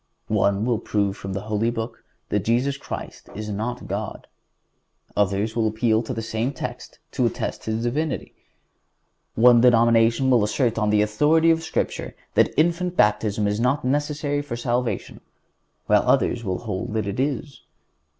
One will prove from the Holy Book that Jesus Christ is not God. Others will appeal to the same text to attest His Divinity. One denomination will assert on the authority of Scripture that infant baptism is not necessary for salvation, while others will hold that it is.